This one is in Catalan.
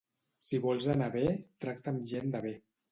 Si vols anar bé, tracta amb gent de bé.